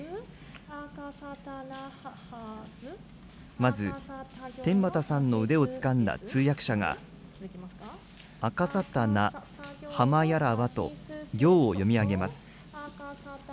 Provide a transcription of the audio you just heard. まず、天畠さんの腕をつかんだ通訳者が、あかさたな、はまやらわと行を読み上げます。